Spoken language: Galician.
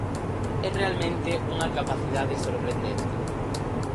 É realmente unha capacidade sorprendente.